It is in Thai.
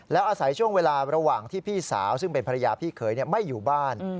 แล้วอาศัยช่วงเวลาระหว่างที่พี่สาวซึ่งเป็นภรรยาพี่เขยไม่อยู่บ้าน